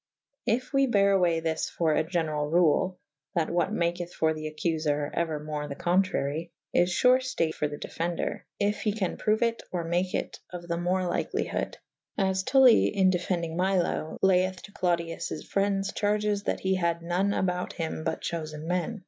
If we bere away this for a generall rule (that what maketh for the accuier, euermore the contrary) is fure itaye for the defender / yf he can proue it / or make it of the more lykelyhode. As Tully in defendynge Milo / layeth to Clodius frendes charges that he had none about hym but chofe« me«.